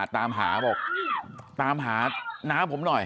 ถามหาน้ำผมหน่อย